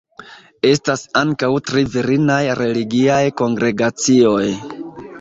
Estas ankaŭ tri virinaj religiaj kongregacioj.